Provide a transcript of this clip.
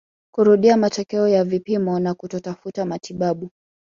kurudia matokeo ya vipimo na kutotafuta matibabu